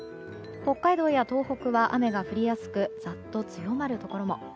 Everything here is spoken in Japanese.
北海道や東北は雨が降りやすくざっと強まるところも。